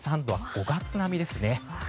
５月並みですね。